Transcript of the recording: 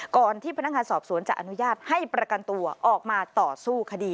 ก่อนที่พนักงานสอบสวนจะอนุญาตให้ประกันตัวออกมาต่อสู้คดี